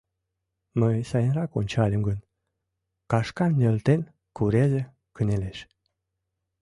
Мый сайынрак ончальым гын, кашкам нӧлтен, курезе кынелеш.